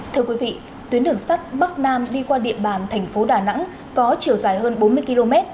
thưa quý vị tuyến đường sắt bắc nam đi qua địa bàn thành phố đà nẵng có chiều dài hơn bốn mươi km